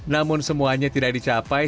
namun semuanya tidak dicapai